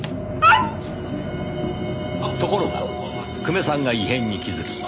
ところが久米さんが異変に気づき。